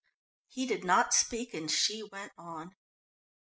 He did not speak and she went on.